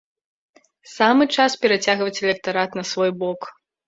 Самы час перацягваць электарат на свой бок.